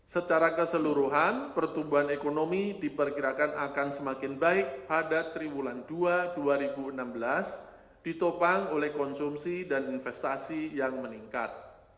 secara keseluruhan pertumbuhan ekonomi diperkirakan akan semakin baik pada triwulan dua dua ribu enam belas ditopang oleh konsumsi dan investasi yang meningkat